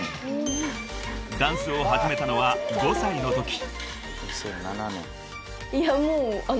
［ダンスを始めたのは５歳のとき］